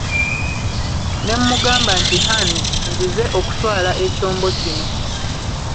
Ne mmugamba nti Hands nzize okutwala ekyombo kino.